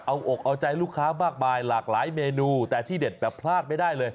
เอาอกเอาใจลูกค้ามากมายหลากหลายเมนูแต่ที่เด็ดแบบพลาดไม่ได้เลย